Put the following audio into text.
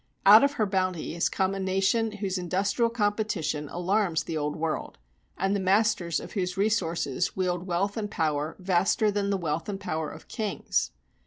Out of her bounty has come a nation whose industrial competition alarms the Old World, and the masters of whose resources wield wealth and power vaster than the wealth and power of kings.